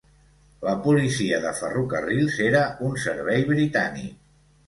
La policia de ferrocarrils era un servei britànic.